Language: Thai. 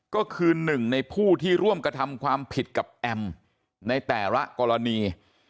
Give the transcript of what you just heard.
ก็คือหนึ่งในผู้ที่ร่วมกระทำความผิดกับแอมในแต่ละกรณี